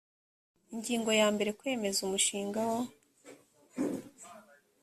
ingingo ya mbere kwemeza umushinga wo